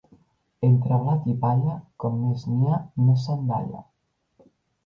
Entre blat i palla, com més n'hi ha més se'n dalla.